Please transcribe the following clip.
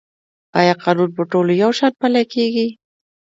آیا قانون په ټولو یو شان پلی کیږي؟